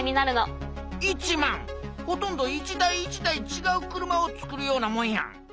ほとんど一台一台ちがう車をつくるようなもんやん。